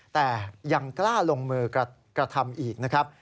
แต่ยังกล้าลงมือกระทำอีกนะครับ